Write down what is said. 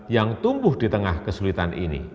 yang tumbuh di tengah kesulitan ini